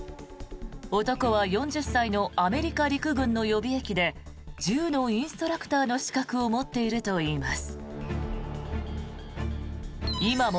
男は４０歳のアメリカ陸軍の予備役で銃のインストラクターの資格を持っているといいます。